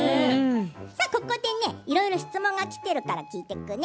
ここで、いろいろ質問がきているから聞いていくね。